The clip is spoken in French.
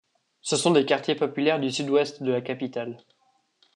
Ce sont des quartiers populaires du sud-ouest de la capitale.